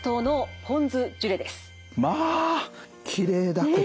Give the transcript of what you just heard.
まあきれいだこと。